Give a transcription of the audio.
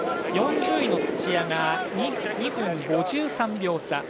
４０位の土屋が２分５３秒差。